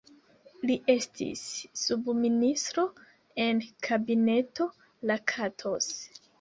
Li estis subministro en Kabineto Lakatos.